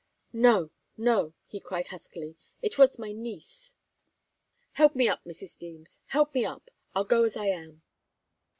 "No no!" he cried, huskily. "It was my niece help me up, Mrs. Deems help me up. I'll go as I am."